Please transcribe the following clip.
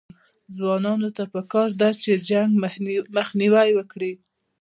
ځوانانو ته پکار ده چې، جنګ مخنیوی وکړي